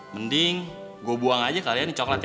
mending gue buang aja kalian coklat ya